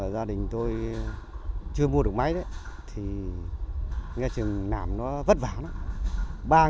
gia đình tôi chưa mua được máy đấy thì nghe chừng làm nó vất vả lắm